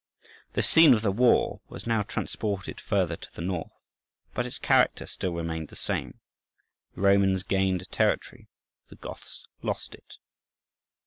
The scene of the war was now transported further to the north; but its character still remained the same. The Romans gained territory, the Goths lost it.